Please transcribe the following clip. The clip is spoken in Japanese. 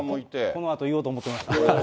このあと言おうと思ってました。